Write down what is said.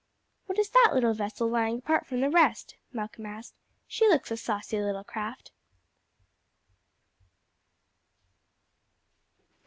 "What is that little vessel lying apart from the rest?" Malcolm asked. "She looks a saucy little craft."